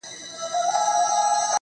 پر دې دنیا سوځم پر هغه دنیا هم سوځمه.